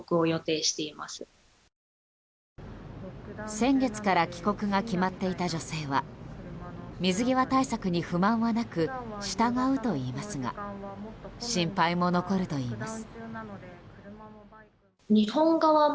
先月から帰国が決まっていた女性は水際対策に不満はなく従うといいますが心配も残るといいます。